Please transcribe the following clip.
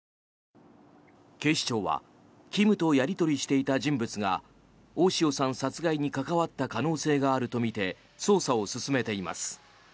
警視庁はキムとやり取りしていた人物が大塩さん殺害に関わった可能性があるとみて捜査を進めています。